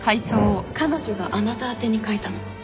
彼女があなた宛てに書いたの。